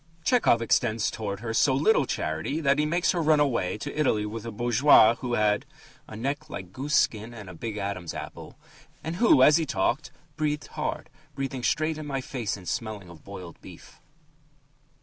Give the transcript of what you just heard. Tchehov extends towards her so little charity that he makes her run away to Italy with a bourgeois who had "a neck like goose skin and a big Adam's apple," and who, as he talked, "breathed hard, breathing straight in my face and smelling of boiled beef."